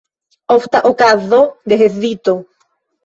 Ofta okazo de hezito.